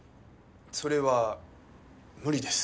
それは無理です。